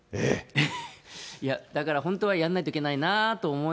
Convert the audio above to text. いや、だから本当はやんないといけないなと思い